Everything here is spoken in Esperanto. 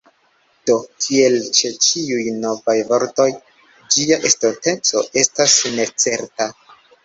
Do, kiel ĉe ĉiuj novaj vortoj, ĝia estonteco estas necerta.